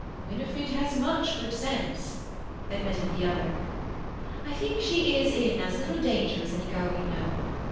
"Winifred has much good sense," admitted the other. "I think she is in as little danger as any girl we know.